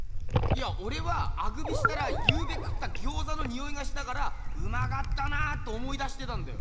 おれはアクビしたらゆうべ食ったギョーザのニオイがしたからうまかったなと思い出してたんだよ。